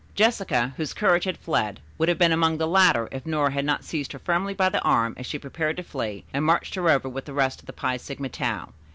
Jessica, whose courage had fled, would have been among the latter if Nora had not seized her firmly by the arm as she prepared to flee and marched her over with the rest of the Phi Sigma Tau.